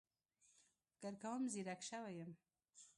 فکر کوم ځيرک شوی يم